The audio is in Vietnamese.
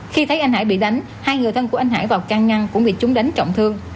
khi thấy anh hải bị đánh hai người thân của anh hải vào can ngăn cũng bị chúng đánh trọng thương